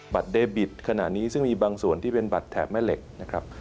บัตรเดบิตขนาดนี้ซึ่งมีบางส่วนที่เป็นบัตรแถบแม่เหล็ก